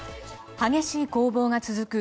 激しい攻防が続く